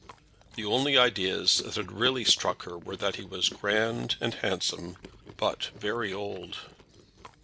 The only ideas that had really struck her were that he was grand and handsome, but very old.